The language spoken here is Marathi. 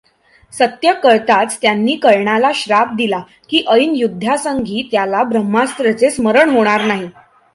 सत्य कळताच त्यांनी कर्णाला शाप दिला, की ऐन युद्धप्रसंगी त्याला ब्रह्मास्त्राचे स्मरण होणार नाही.